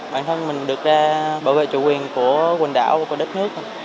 bản thân mình được bảo vệ chủ quyền của quần đảo của đất nước